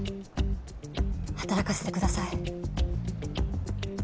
働かせてください。